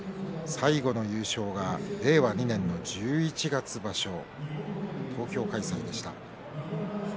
最後の優勝は令和２年の十一月場所東京開催でした。